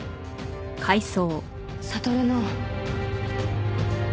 悟の。